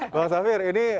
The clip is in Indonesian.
bang safir ini